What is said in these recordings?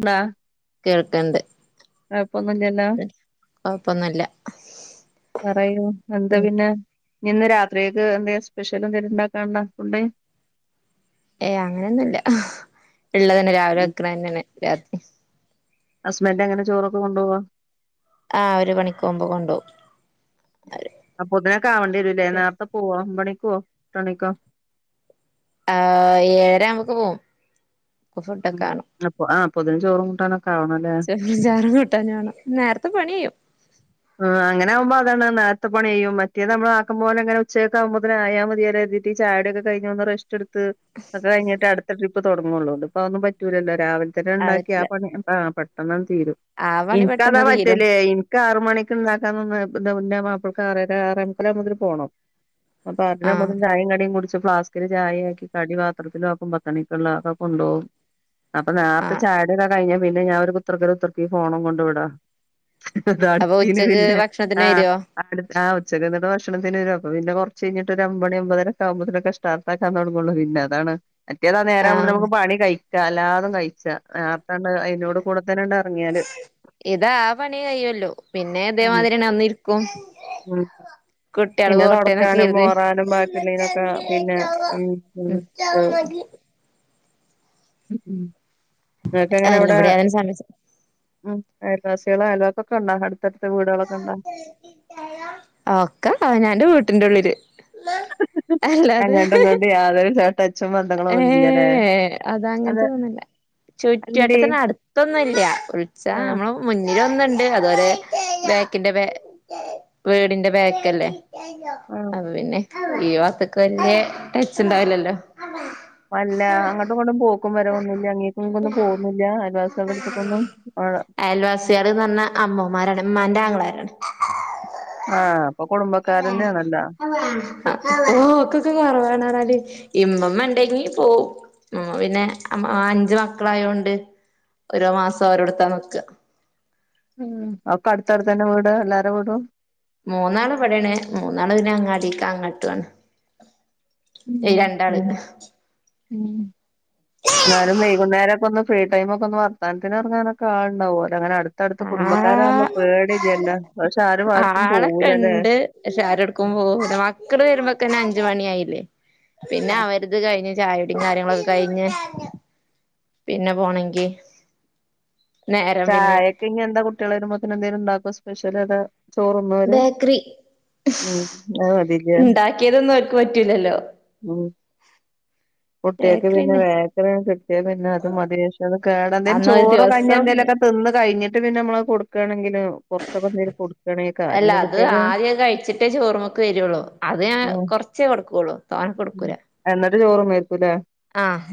പ്ളാ കേൾക്ണ്ട് കൊഴപ്പൊന്നുല്ല്യല്ലോ? കൊഴപ്പൊന്നുല്ല പറയൂ എന്താ പിന്നെ ഇഞ്ന്ന് രാത്രിയേക്ക് എന്തേം സ്പെഷ്യലെന്തേലുണ്ടാക്കാണ്ടൊ ഫുഡ്? ഏയ് അങ്ങനെന്നുല്ല ഇള്ളതന്നെ രാവിലെ വെക്ക്ണെന്നെണ് രാത്രിയും ഹസ്ബന്റെങ്ങെനെ ചോറൊക്കെ കൊണ്ടോവൊ? ആ ഒരു മണിക്ക് മുമ്പ് കൊണ്ടോവും അപ്പൊതിനൊക്കെ ആവണ്ടിയെരുലേ നേർത്തെ പോ വോ? ഒമ്പണിക്കോവൊ? എത്രണിക്കാ? ആഹ് ഏഴര അഹമ്പോക്ക് പോവും അപ്പൊ ഫുഡൊക്കെ മ് കാണും അപ്പൊ ആ അപ്പോത്തിന് ചോറും കൂട്ടാനൊക്കെ ആവണലേ? മ് ചോറും കൂട്ടാനു ആണം നേർത്തെ പണി കയ്യും ആ അങ്ങനാവുമ്പോ അതാണ് നേര്ത്തേ പണിയയ്യും മറ്റേതാവുമ്പോ ആക്കമ്പോലങ്ങനെ ഉച്ചകേക്കാവുമ്പോത്തിന് ആയാ മതിയല്ലോര്തിട്ട് ചായൊടിയൊക്കെ കഴിഞ് ഒന്ന് റെസ്റ്റെട് ത്ത് ഒക്കെ കഴിഞ്ഞിട്ട് അട്ത്ത ട്രിപ്പ് തൊട്ങ്ങൊള്ളൂ ഇത്പ്പം അഹൊന്നും പറ്റൂലല്ലോ? രാവിൽതന്നെണ്ടാക്കി ആ അതൊക്കെ പണി തീ ആ പെട്ടെന്നാണ്ട് തീരും ആ പണി ഇൻക്കതാ പെട്ടെന്ന് തീരും പറ്റല് ഇക്കാറു മണിക്ക്ണ്ടാക്കാ നിന്നാ ഇന്റെ മുന്നെ മാപ്ലക് ആറെരാ ആറേമുകാലകുമ്പോത്തിന് പോണം അപ്പം ആ ആറരാവുമ്പോത്തിന് ചായിം കടിയും കുടിച്ച് ഫ്ലാ സ്ക്കില് ചായിയാക്കി കടി പാത്രത്തിലു ആക്കും പത്തണിക്ക്ള്ളെ അഹൊക്കെ കൊണ്ടോവും അപ്പൊ ആ നേര്ത്തെ ചായൊടി കഴിഞ്ഞ പിന്നെ ഞാ ഒരു കുത്തർക്കലുത്രക്കും ഈ ഫോണും കൊണ്ട് വടെ അപ്പൊ ത്തിന് ഉച്ചക്ക് പിന്നെ ഭക്ഷണത്തിന് ആഹാ വരുവോ ആഹാ ഉച്ചക്ക്ന്നെട്ട് ഭക്ഷണത്തിന് വെരും അപ്പ പിന്നെ കൊർച്ചയ്ഞ്ഞ്ട്ട് ഒരൊമ്പണി ഒമ്പതരൊക്ക ആവുമ്പോത്തിനൊക്കെ സ്റ്റാട്ടാക്കാ തൊട്ങ്ങാള്ളു പിന്നെ അതാണ് മറ്റേതാ നേരാ ആ ആവുമ്പേത്തിന് നമ്മക്ക് പണി കഴിക്കാ ച്ചാ എല്ലാതും കയ്ച്ചാ നേർത്താണ്ട് അയ്നോട് കൂടെത്തന്നാണ്ട് എറങ്ങിയാല് ഇത് ആ പണിയെ കയ്‌യുലു പിന്നെ ഉം ഇതേമാതിരിയെന്നെ ഒന്നിര്ക്കും ഉം കുട്ട്യള് പിന്നെ തൊടക്കാനും പോട്ടെന്നൊക്കെര്തി മോറാനും ബാക്കിയുള്ളീനൊക്കെ പിന്നെ ഉം ഉം മ്മ് അല്ല ഇങ്ങക്കെങ്ങനവ്ടെ ഇവിടെ അതിന് സമ്മതിച്ച ഉം അയവാസിയെളോ അയൽവക്കൊക്കെണ്ടോ? അട്ത്തട്ത്ത് വീടുകളൊക്കെണ്ടോ? ഒക്ക അവനാന്റെ വീട്ട്ന്റുള്ള്ല് അല്ലാതെ ഇഹ് അങ്ങോട്ടും ഇഹ് [unintelligible] ബന്ധങ്ങളൊന്നും ഇല്ലല്ലേ ഏഹ് അത് അങ്ങൻത്തെ ഇതൊന്നില്ല. അല്ലടി ചുറ്റട്ടത്തിന് അടുത്തൊന്നുല്ല വിളിച്ച ആഹ് നമ്മള മുന്നിലൊന്ന്ണ്ട് അതുപോല ബേക്കിന്റെ ബേ വീടിന്റെ ബേക്കല്ലേ. ആഹ് അത് പിന്നെ ഈ വാത്ത്ക് വെല്ല്യ നിച്ചണ്ടാവുലല്ലോ. വല്ല അങ്ങട്ടും ഇങ്ങട്ടും പോക്കും വരവൊന്നുല്ല അങ്ങേക്കൊന്നും പോവൊന്നുല്ല അയൽവാസിളെയെട്ത്ത്ക്കൊന്നും [inaudible] [unintelligible] ന്നെർഞ്ഞ അമ്മോമാരാണ് ഇമ്മാന്റെ ആങ്ങളാരാണ്. ആഹ് അപ്പ കുടുംബക്കാരന്നെണല്ലോ. [inaudible] [unintelligible] ഇമ്മമ്മണ്ടെങ്കി പോവും. മ് പിന്നെ അം അഞ്ച് മക്കളായോണ്ട് ഓരോ മാസ ഒരോട്ത്ത നിക്ക് ഉം, ഒക്ക അട്ത്തട്ത്തന്നെ വീട് എല്ലാരവീടും. മൂന്നാള് ഇവിടെ ആണ്. മൂന്നാള് പിന്നെ അങ്ങാടിക്കങ്ങട്ടു ആണ്. [inaudible] [inaudible] ഇന്നാലും വൈകുന്നേരം ഒക്ക ഒന്ന് ഫ്രീ ടൈമൊക്കെ ഒന്ന് വർത്താൻത്തിന് എറങ്ങാനൊക്കെ ആള്ണ്ടാവോല്ലോ അങ്ങനെ അട് ത്തട്ത്ത് ആ കുടുംബക്കാരാവുമ്പോ പേടില്ലല്ലോ. പക്ഷെ, ആരും ആര്ക്കും ആളൊക്കെ പോവൂലലേ. ഉണ്ട് പക്ഷെ ആരൊട്ക്കും പോവൂല. മക്കള് വരുമ്പോക്കെന്നെ അഞ്ച് മണി ആയില്ലേ, പിന്നെ ഉം അവര് ഇത് കഴിഞ്ഞ് ചായടിയും കാര്യങ്ങളൊക്കെ കഴിഞ്ഞ് പിന്നെ പോണെങ്കി നേരം പിന്നെ ചായക്ക് ഇഞ്ഞ് എന്താ കുട്ടിള് വെരുമ്പോത്തിന് എന്തേലും ഉണ്ടാക്കോ സ്പെഷ്യൽ അത്? ചോറുന്നോവര്? ബേക്കറി ഉം അഹ് മതില്ലേ ക്കിയതൊന്നും അവര്ക്ക് പറ്റൂലല്ലോ. ഉം കുട്ടിയേൾക്ക് പിന്നെ ബേക്കറിന്നെ വേക്കറിയാണ് കിട്ടിയ പിന്നെ അത് മതി പഷെ അത് കേടല്ലേ? അന്നൊരു ചോറോ കഞ്ഞി ദിവസം എന്തെലൊക്കെ തിന്ന് കഴിഞ്ഞിട്ട് പിന്നെ നമ്മള് കൊടുക്കാണെങ്കില് കൊർച്ചൊക്കെ എന്തേലും കൊട്ക്കാണെ അല്ല, അത് ആദ്യം കഴിച്ചിട്ടേ ചോറ്മൊക്ക് വെര്ള്ളൂ. അത് ഞാൻ ഉം കൊർച്ചേ കൊട്ക്കൊള്ളൂ തോനെ കൊട്ക്കൂല. എന്നിട്ട് ചോറും വെയ്ക്കൂല്ലേ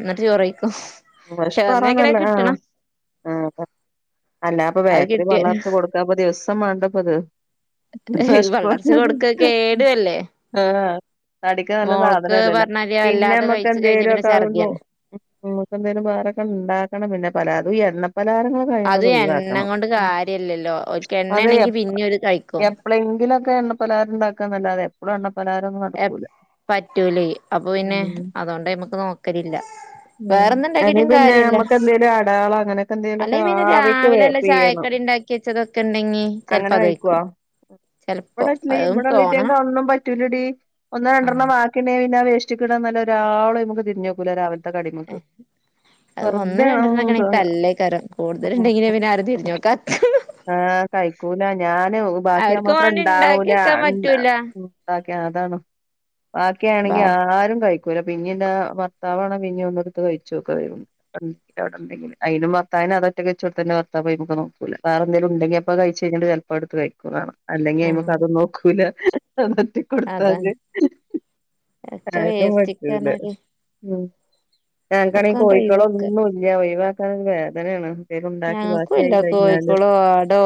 എന്നിട്ട് ചോറയ്ക്കും പക്ഷെ വെശപ്പ് ഒന്നേക്കനെ മാറാനല്ലേ ആഹ് കിട്ടണം ആഹ് അല്ലാ ഇപ്പ അത് ബേക്കറി കിട്ടിയല് പള്ളർച്ച് കൊടുക്കാപ്പ ദിവസം വേണ്ടപ്പംഇത്. വെശപ്പ് പള്ളർച്ച കൊടുക്ക [unintelligible] കേടുവല്ലേ ആഹ് [unintelligible] നല്ല സാധന മോൾക്ക് ഇല്ലല്ലോ പറഞ്ഞാല് പിന്നെ വല്ലാതെ നമ്മക്ക് കഴിച്ചു കഴിഞ്ഞ എന്തേരും പിന്നെ ഒക്ക ആവുമ്പ ഛർദിയാണ് നമുക്കെന്തേലും വേറൊക്കെ ഇണ്ടാക്കണം പിന്നെ പലാരവും ഈ എണ്ണപലാഹരങ്ങള് അത് എണ്ണ കൊണ്ട് കാര്യല്ലല്ലോ ഓൽക്ക് അത് എണ്ണയാണെങ്കി എപ് പിന്നി ഓര് കഴിക്കും. എപ്പളെങ്കിലൊക്കെ എണ്ണ പലഹാരം ഇണ്ടാക്ക്ന്നല്ലാതെ ഇവടെ എണ്ണ പലഹാരൊന്നും എ പറ്റൂലേ അപ്പൊ പിന്നെ ഉം അതോണ്ട് അയിമക്ക് നോക്കലില്ല. ഉം വേറൊന്നും അല്ലെ ഇണ്ടാക്കിട്ടും പിന്നെ കാര്യല്ല. നമ്മക്ക് എന്തേലും അടയാള അങ്ങനെയൊക്കെ എന്തേലുമൊക്കെ അല്ലെങ്കി പിന്നെ ആവിക്ക് വേ രാവിലെന്നെ പിഴിയണം ചായക്കടി ഇണ്ടാക്കി ക്കിച്ചതൊക്കെ ഇണ്ടെങ്കി ചെലപ്പ അത് കഴിക്കും. ചെലപ്പോ ഇബടെ ഇല്ലേയ് അതും തോന്നണം ഇബടെള്ളെയ്റ്റങ്ങക്ക് അതൊന്നും പ റ്റൂലെടി ഒന്നോ രണ്ടെർണ്ണം ആഹ് വാക്കിണ്ടെങ്കി പിന്നെ വേസ്റ്റ്ക്ക് ഇട് നല്ലാതെ ഒരാളും അയിമക്ക് തിരിഞ്ഞോക്കൂല രാവിലെ അ കടിമക്ക്. അത് ഒന്നു വെറുതെ രണ്ടെണ്ണക്കാണെങ്കിൽ തല്ലെയ്ക്കാരം. കൂടുതല്ണ്ടെങ്കിലെ പിന്നെ ആരും തിരിഞ്ഞ് നോക്കാ ആഹ് കഴിക്കൂല. ഞാന് അവർക്ക് ബാക്കിയാവാമാത്രം വേണ്ടി ഇണ്ടാവൂല. ഇണ്ടാക്കിയെക്കാൻ പറ്റൂല ബാക്കി അതാണ്. ബാ ബാക്കിയാണെങ്കി ആരും കഴി ല. പിന്നി എന്റെ ഭർത്താവണ് പിന്നി ഒന്ന്ട്ത്ത് കഴിച്ചോക്ക് അഹ്. കടി ഇനി അവിടെ ഇണ്ടെങ്കില് അയിനും ഭർത്താവിന് അതൊറ്റക്ക് വെച്ചൊട്ത്താല് ഭർത്താവ് അയിമക്ക് നോക്കൂല. വാറെ എന്തേലും ഉണ്ടെങ്കി അപ്പൊ കഴിച്ച കഴിഞ്ഞിട്ട് ചെൽപോ എടുത്ത് കഴിക്കുകാണ് അല്ലെങ്കിൽ അയിമക് ആഹ് അതും നോക്കൂല്ല. അതാണ് അതറ്റിക്കൊടുത്താല് ഒക്കെ ആരും വേസ്റ്റ്ക്ക് പറ്റൂല പറഞ്ഞാല് ഉം ഒക്കെ ഞനക്കാണെങ്കിൽ അങ്ങട്ട് കോഴിക്കള് ഒഴിവാക്ക ഒന്നുംല്ല ഒഴിക്കവകാണെങ്കി വേദനയാണ്. എന്തേലും ഉണ്ടാക്കി ഞങ്ങൾക്കും ഇല്ല ബാക്കിയായി കഴിഞ്ഞാല് കോഴിക്കോളോ ആടോ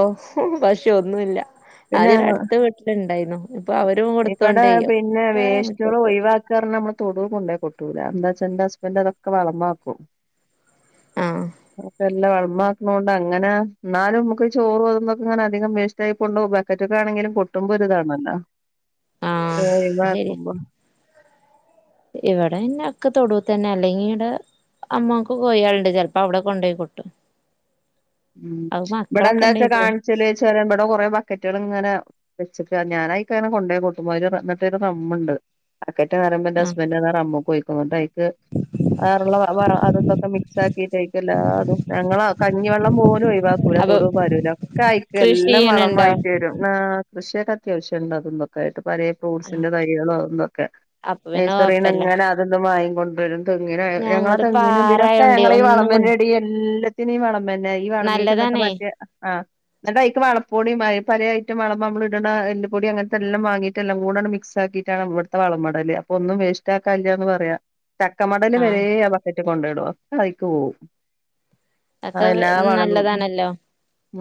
പശു ഒന്നുമല്ല പിന്നെ ആദ്യം ഞങ്ങ അടുത്ത വീട്ടില് ഇണ്ടായിരുന്നു ഇപ്പൊ അവരും കൊടുത്തോണ്ട് ഒക്കെ മുറ്റത്ത് ഒക്കെ പറഞ്ഞ നമ്മള് തൊടു കൊണ്ടേ കൊട്ടൂല എന്താ വച്ചാ എന്റെ ഹസ്ബൻഡ് അതോക്കെ വളമാകും ആഹ് അപ്പൊ എല്ല വളമാക്ക്ണേ കൊണ്ട് വളമാക്കാണോണ്ടി അങ്ങനെ എന്നാലും നമക്ക് ചോറ് അതുന്നൊക്കെ ഇങ്ങനെ അധികം വേസ്റ്റ് ആയി പോണ്ടോ ബക്കൊക്കെണെങ്കിലും കൊട്ടുമ്പോ ഒരു ഇതാണല്ലോ. ആഹ് ഒഴിവാക്കുമ്പോ ഇവിടെന്നെ ഒക്കെ തൊടുതെന്നെ അല്ലെങ്കി ഇവിടെ അമ്മോൻക്ക് കോഴിയാണ്ട് ചെപ്പോ അവിടെ കൊണ്ടു പോയിക്കൊട്ടും ഉം ഇവിടെ എന്തേച്ചാ കാണിച്ചാലേച്ചാല് ഇവിടെ കൊറെേ ബക്കറ്റുകൾ ബക്കറ്റള്ള് ഇങ്ങനെ വെച്ച്ക്ക ഞാനായിക്ക് അങ്ങനെ കൊണ്ടോയി കൊട്ടുബോ അയില് എന്നിട്ട് ഒരു റം ഇണ്ട് ബക്കറ്റ് മറയുമ്പോത്തിന് എന്റെ ആഹ് ഹസ്ബൻഡ് റെമിൽക്ക് ഒഴികും റ് അവടൊള്ള വാറ അതു ഇതൊക്കെ മിക്സ് ആക്കിട്ട് ആയിക് എല്ലാതും ഞങ്ങള കഞ്ഞി വെള്ളം പോലും ഒഴിവാക്കൂല്ല അപ്പൊ തൊടു പരൂല ഒക്കെ ആയിക്ക് കൃഷി എല്ലാം വളം ചെയ്യണുണ്ടോ ആയിട്ട് വരും ആഹ് കൃഷി ഒക്കെ അത്യാവശ്യ ഉണ്ടാക്കിബോ യിട്ട്, പലേ ആഹ് ഫ്രൂട്ട്സിന്റെ തൈകളോ ഒന്നൊക്കെ അപ്പൊ പിന്നെ നെയസറീന്ന് കൊഴപ്പല്ല എങ്ങനെ അതും ഇതും വാങ്ങി വാങ്ങികൊണ്ടുവരും തേങ്ങനായ ഞങ്ങളെ ഞങ്ങൾത് തെങ്ങിന് ഇതിനൊക്കെ പാറായോണ്ടേ ഞങ്ങള ഈ ഒന്നും കൊ വളമാന്നെ ഇത് എല്ലാത്തിനും ഈ വളമന്നെ ഈ വളമിക്ക് ഇതൊക്കെ നല്ലതാണേ മറ്റേ ആഹ് ഇന്നിട്ട് ആയിക്ക് വളപ്പൊടി പലേ ആയിറ്റം വളമ്മം നമ്മള് ഇടുന്ന എല്ല്പോടി അങ്ങനത്തെല്ലാം വാങ്ങയിട്ട എല്ലാം കൂടെ അങ്ങ്ട്ട് മിക്സ് ആക്കിട്ട് ഇതാണ് ഇവിടത്തെ വളമടല് അപ്പോ ഒന്നും വേസ്റ്റ് ആകാൻ ഇല്ല എന്ന് പറയാ ചക്കമടല് വരെ ആഹ് ആ ബക്കറ്റ് കൊണ്ടുടോയിടും ഒക്കെ ആയിക്ക് പോവും ഒക്കെ ആഹ് എല്ലാ അവളോടും നല്ലതാണല്ലോ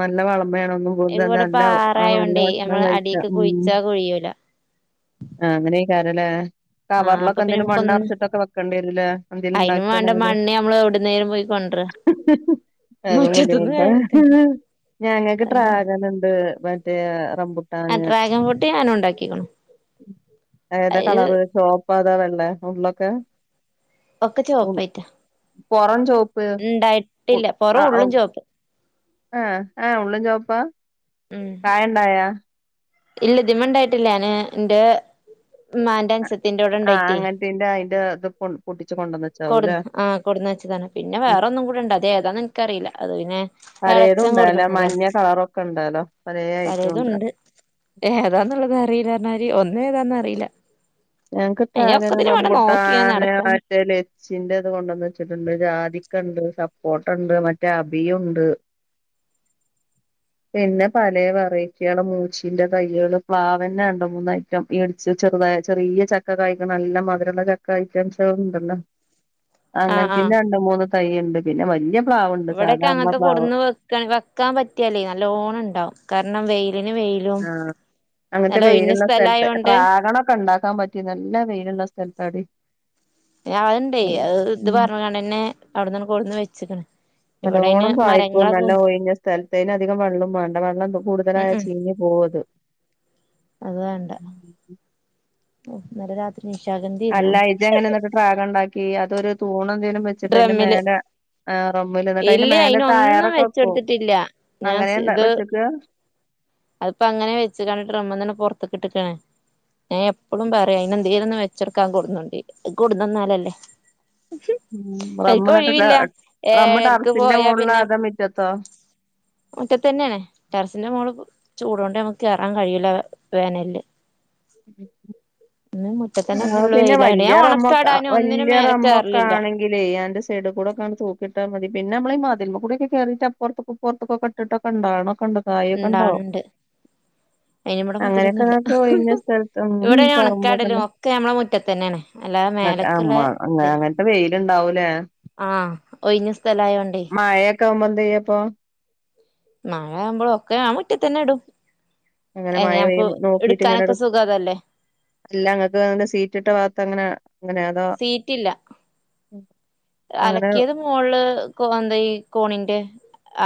നല്ല വല്ലാമെണ് ഒന്നും പോകുന്നത് ഇവിടെ നല്ല ആഹ് നല്ല പാറായോണ്ടേ ഭക്ഷണം നമ്മള് കഴിക്ക അടീക്ക് ഉം കുഴിച്ചാ കുഴിയൂല ആഹ് അങ്ങനെക്കാരല്ലേ ആഹ് അപ്പൊ കവറിലൊക്കെ പിന്നെ എന്തേലും മണ്ണ് നമുക്കൊന്നും അറച്ചിട്ടൊക്കെ വെക്കേണ്ടി വരിലേ എന്തേലും അയിനും വേണ്ട ഇണ്ടാക്കണെില് മണ്ണ് നമ്മള് എവിടുന്നേലും പോയി കൊണ്ടര അതും ബുദ്ധിമുട്ട മുറ്റത്ത്ന്ന് ഞങ്ങക്ക് ട്രാവ ആഹ് ഇത് ഇണ്ട് മറ്റേ റബു ട്ടാണ് ഡ്രാഗൺ ഫ്രൂട്ട് ഞാനും ഉണ്ടാക്കിക്ക്ണു ഏതാ അത് കളറ് ചോപ്പ് പാതാ വെള്ളേ ഉള്ളൊക്കെ ഒക്കെ ചോപ്പായിറ്റാ പുറം ചോപ്പ് ഇണ്ടായിട്ടില്ല പൊറം ഉള്ളും ചോപ്പ് ആഹ് ആഹ് ഉള്ളും ചോപ്പാ ഉം കായ ഇണ്ടായ ഇല്ല ഇതിമണ്ടായിട്ടില്ല ഞാന് ഇന്റെ ഇമ്മന്റെ അൻസത്തി ആഹ് അങ്ങനത്തെന്റെ അയിന്റെ അത് പൊട്ടിച്ച് കൊണ്ടുവന്നച്ചാവൂല്ലേ കൊടന്ന് വച്ചതാണ് പിന്നെ വേറെ ഒന്നും കൂടെ ഇണ്ട് അത് ഏതാന്ന് എനിക്കറിയില്ല അത് പിന്നെ പാലെത്തും എളച്ചൻ ഇണ്ടല്ലേ കൊടുന്നന്നതാണ് മഞ്ഞ കളറൊക്കെ ഉണ്ടല്ലോ പലേതുണ്ട് ഏതാന്നുള്ളത് അറിയില്ല പറഞ്ഞാല് ഒന്നും ഏതാന്ന അറിയില്ല ഞങ്ങക്ക് അയിന് ത്രാണെന്നു ഒക്കത്തിനും വേണ്ടേ നോക്കിങ്ങനെ റബ്യുട്ടാന് നടക്കാന് ആറ്റല് ച്ചിന്റേത് കൊണ്ടന്ന് വെച്ചിട്ടുണ്ട് ജാതിക്കണ്ട് സപ്പോട്ടാണ്ട് മറ്റേ അഭിയുണ്ട് പിന്നെ പല വെറൈറ്റിയാള് മൂച്ചീന്റെ തൈയാള് പ്ലാവന്നെ രണ്ട് മൂന്നു ഐറ്റം വേടിച്ച് ചെറുതായി ചെറിയ ചക്ക കായ്ക്കണം നല്ല മധുരോള്ള ചക്ക ഐറ്റംസള്ള് ഉണ്ടല്ലോ ആഹ് ആഹ് അങ്ങനെത്തിന്റെ രണ്ട് മൂന്ന് തൈ ഇണ്ട് പിന്നെ വലിയ പ്ലാവുണ്ട് സാധാ നമ്മളെ പ്ലാവ് ക്ക, വെക്കാൻ പറ്റിയാല്ലേ നല്ലോണം ഇണ്ടാവും കാരണം വൈലിന് വൈ ആഹ് അങ്ങനത്തെ വൈലുള്ള സ്ഥലത്ത് സ്ഥലായോണ്ട് ട്രാഗണ ഒക്കെ ഇണ്ടാക്കാൻ പറ്റി റ്റി, നല്ല വൈലുള്ള സ്ഥലത്തടി അത് ഇണ്ടേ അത് ഇത് ഉം പറഞ്ഞണ്ടന്നെ അവിടന്ന് കൊടെന്ന് വെച്ചക്കണ് നല്ലോണം കായ്പും നല്ല ഒഴിഞ്ഞ സ്ഥലത്തേന് അധികം വെള്ളോം വേണ്ട വെള്ളക്ക ഉം കൂടുതലായാ ഉം ചീഞ്ഞ് പോവത് അത് വേണ്ട ന്നലെ രാത്രി നിശാഗ [unintelligible] അല്ല ഇജെങ്ങനെ ന്നിട്ട് ട്രാഗ്ണ്ടാക്കി അതൊരു തൂണെന്തേനും വെച്ചിട്ട് അയ്ന്റെ ഡ്രമ്മില് മേലെ ആ റമ്മില് ന്നിട്ട് അയ്ന്റെ ഇല്ല മേലെ അയിനൊന്നും ടയറൊക്കെ വെക്കൊ വെച്ചെടുത്തിട്ടില്ല ഞാൻ അങ്ങനെയാണ്ട വച്ചിട്ട് അതിപ്പൊ അങ്ങനെയ വെച്ച്കണ് ട്രമ്മ്ന്നന്നെ പൊറത്ത്ക്ക്ട്ടക്കാണ് ഞാ എപ്പഴും പറയും അതിനെന്തേലൊന്ന് വെച്ചൊടുക്കാൻ കൂടന്ന്ണ്ടേ കുട്ന് ന്നാലല്ലേ [unintelligible] റമ്മ് എന്നിട്ട് ട എയ്ക്കൊഴിവില്ല റമ്മ് ഏഴരക്ക് ടറസിന്റെ പോയാ മോളിലോ പിന്നെ അതോ മിറ്റത്തോ മുറ്റത്തന്നെയണേ ടെറസിന്റെ മോള് ചൂടൊണ്ട് നമുക്ക് കേറാൻ കഴിയൂല വേനലില് [inaudible] ന്ന് മുറ്റത്തന്നെ ആ ഫുള്ള് പിന്നെ വെയിലായോണ്ടെ വല്യ ഞാ ഒണക്കാടാനും ഒന്നിനും മേലെ കേറലില്ല ഇലേയാന്റെ സൈഡി കൂടെക്കാണ് തൂക്കിട്ടാ മതി പിന്നമ്മളീ മതില്മേ കൂടിയെക്കെ കേറീട്ട്പ്പൊറത്ത്ക്ക്പ്പറത്തൊക്കെ ഇട്ട്ട്ടൊക്കെണ്ടാണക്കൊണ്ട് ണ്ടാണ് ണ്ട് അയിന്വ്ടെ അങ്ങനെയൊക്കെ മതിലൊന്നുല്ല നിങ്ങക്ക് ഒഴിഞ്ഞ ഹ്ഹ്ഹ സ്ഥലത്ത് ഉം ഇവിടെഞാ പറമ്പൊക്കെ ഒണക്കാടലും ഒക്കെ ഞമ്മള മുറ്റത്തന്നെണ് മ അ മ അങ്ങനത്തെ വെയിലുണ്ടാവൂലാ ആഹ് ഒയിഞ്ഞ സ്ഥലായോണ്ടേ കാമെന്തായാപ്പൊ മഴാവുമ്പോളൊക്കെ ഞാ മുറ്റത്തന്നെടും അങ്ങനെ മഴ എനെയാമുക്ക് പെയ്യുമ്പോ എടുക്കാനക്കെ സുഖ അതല്ലേ ല്ലാങ്ങക്ക് സീറ്റിട്ട ഭാഗത്തങ്ങനെ ങ്ങനെ സീറ്റില്ല ഉം അലക്കിയത് മോൾല് കോ ന്തയീ കോണിന്റെ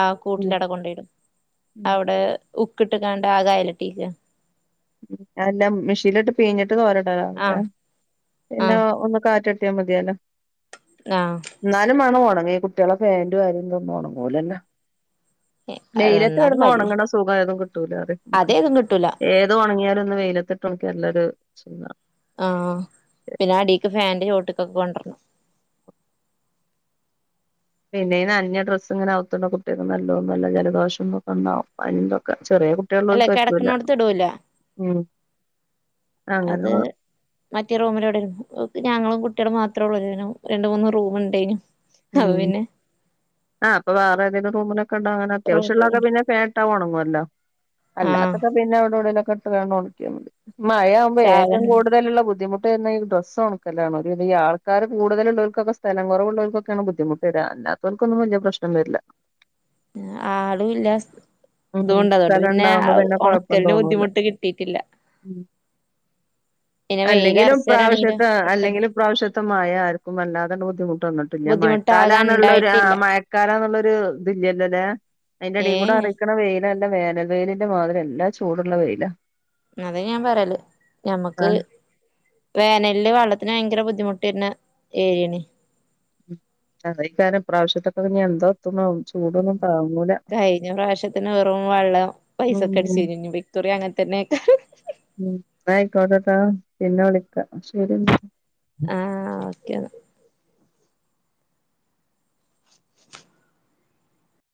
ആ ഉം കൂട്ടിലട കൊണ്ടയിടും അവ്ടെ ഉക്ക്ട്ട്ങ്ങാണ്ടാകെ അയലെട്ടിക്കാ എല്ല മെഷീൻല്ട്ട് പീഞ്ഞിട്ട് തോരടലാ ന്താ ആഹ് പിന്നാ ആഹ് ഒന്ന് കാറ്റട്ടിയ മതിയല്ലോ ആഹ് ന്നാലും മാണൊണങ്ങി ഈ കുട്യളെ പാന്റു കാര്യന്നും ഒണങ്ങൂലല്ലോ അത് വെയിലത്ത് എന്നാലും കെടന്ന് വല്യ ഒണങ്ങണ സുകേതും കിട്ടൂലാത് മ്മക്ക് അതേതും കിട്ടൂല ഏ ത് ഒണങ്യാലൊന്ന് വെയിലത്തിട്ടൊണക്യാലൊര് സുഖാ ആഹ് പിന്നടീക്ക് ഫാന്റെ ചോട്ട്കൊക്കെ കൊണ്ട [unintelligible] പിന്നെയീ നന്ഞ ഡ്രസ്സ് ങ്ങനെ ആത്തൊണ്ടാ കുട്ട്യക്ക് നല്ലോന്നല്ല ജലദോഷംതൊക്കെണ്ടാവും പനിതൊക്കെ ചെറ്യേ കു അല്ല ട്ട്യള്ളോൽക്ക് പറ്റൂല കെടക്കണോടത്ത് ഇടൂല മ് അങ്ങനെ അത് മറ്റേ റൂമിലെവിടെ ഞങ്ങളും കുട്ട്യളും മാത്രോള്ളു രണ്ട് മൂന്ന് റൂമുണ്ടേനും മ് ആഹ് അപ്പ വേറെതെലും റൂമിലക്കെടാ ങ്ങനെ റൂമില് അത്യാവശ്യള്ളക്കെ പിന്നെ ഫാ ട്ട ഒണങ്ങുവല്ലോ ആഹ് അല്ലാതൊക്കെ പിന്നെ അവിടെവിടെലൊക്കെ ഇട്ട്ങ്ങാണ്ട് ഒൺക്ക്യാ മതി മഴ ഏറ്റം സാധനം കൂട്തല്ള്ള ബുദ്ധിമു ട്ടന്നെ ഈ ഡ്രസ്സൊണക്കലാണ് ഈ ആൾക്കാര് കൂടുതല്ള്ളോൽക്കൊക്കെ സ്ഥലം കൊറവുള്ളോൽകൊക്കെ ക്കാണ് ബുദ്ധിമുട്ട് വരാ അല്ലാതോൽകൊന്നും വല്യ പ്രശ്നം വരില്ല ആളൂല്ല സ് ഉം ദൂണ്ടതൊണ്ട് സ്ഥലം പിന്നെ ഇണ്ടാവുമ്പോ പിന്നെ കൊഴപ്പം ഒണക്കൽന് തോന്നൂല ബുദ്ധിമുട്ട് കിട്ടീട്ടില്ല പിന്നെ വെയില് അല്ലെങ്കിലും അറച്ചേരാണെങ്കിലോ പ്രാവശ്യത്തെ പെട്ടെന്ന് അല്ലെങ്കിലും പ്രാവശ്യ ത്ത മയ ആര്ക്കും വല്ലാതണ്ട് ബുദ്ധിമുട്ട് വന്ന്ട്ടില്ല മഴക്കാല ബുദ്ധിമുട്ടാകാൻ ന്നുള്ളൊര് ആ ഉണ്ടായിട്ടില്ല മഴ ക്കാലാന്നുള്ളൊരു ത് ല്യല്ലോല്ലേ ഏ അയ്ന്റെടീകൂടെ ആര ക്ക്ണ വെയിലല്ല വേനൽ വെയിലിന്റെ മാതിരി ല്ലാ ചൂടുള്ള വെയില അതെ ഞാൻ പറയല് ആ ഞമ്മക്ക് വേനല്ല് വെള്ളത്തിന് ഭയങ്കര ബുദ്ധിമുട്ടെര്ണ ഏര്യേണ് അതെയ്കാരം ഇപ്രാവശ്യത്തൊക്കെ പിന്നെ എന്താതുന്നൊ ചൂടൊന്നും താങ്ങൂല കഴിഞ്ഞ പ്രാവശ്യത്തിന് വെറും വള്ളം ഉം പൈസക്കട്ചീനി ഇഞ്ഞിപ്പോ ഇക്കുറി അങ്ങൻ തന്നെകാരം ന്നായിക്കോട്ടട്ടാ പിന്നെ വിളിക്ക ശരിന്നാ ആഹ് ഓക്കേ ന്നാ